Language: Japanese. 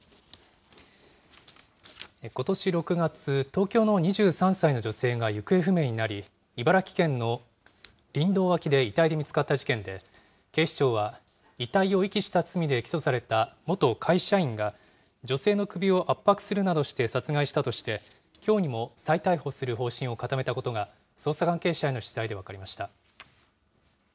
ことし６月、東京の２３歳の女性が行方不明になり、茨城県の林道脇で遺体で見つかった事件で、警視庁は、遺体を遺棄した罪で起訴された元会社員が、女性の首を圧迫するなどして殺害したとして、きょうにも再逮捕する方針を固めたことが、捜査関係者への取材で分かりました。